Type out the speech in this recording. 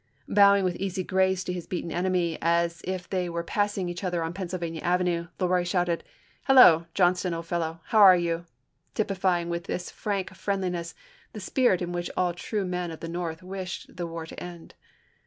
Bowing with easy grace to his beaten enemy, as if they were passing each other on Pennsylvania Avenue, Le Roy shouted, " Hello ! Johnston, old fellow ; how are you ?"— typifying, with this frank friendliness, the spirit in which all true men of the North wished the war to end.